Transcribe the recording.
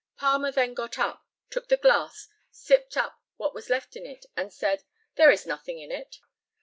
Palmer then got up, took the glass, sipped up what was left in it, and said, "There is nothing in it."